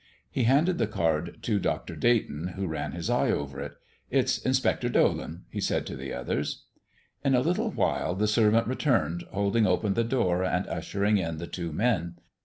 He handed the card to Dr. Dayton, who ran his eye over it. "It's Inspector Dolan," he said to the others. In a little while the servant returned, holding open the door and ushering in the two men.